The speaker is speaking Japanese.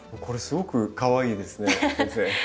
これすごくかわいいですね先生。